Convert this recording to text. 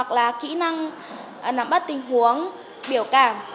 kỹ năng nắm bắt tình huống biểu cảm